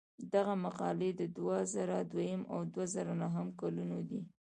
دغه مقالې د دوه زره دویم او دوه زره نهم کلونو دي.